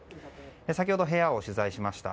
先ほど部屋を取材しました。